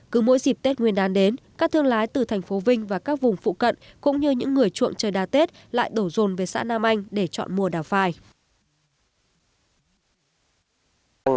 cứ mỗi dịp tết nguyên đán đến các thương lái từ thành phố vinh và các vùng phụ cận cũng như những người chuộng trời đa tết lại đổ rồn về xã nam anh để chọn mùa đào phai